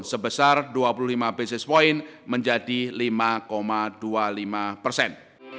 sebesar dua puluh lima basis point menjadi lima dua puluh lima persen